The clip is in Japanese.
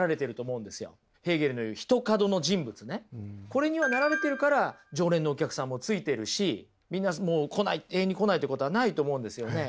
これにはなられてるから常連のお客さんもついてるしみんな来ない永遠に来ないということはないと思うんですよね。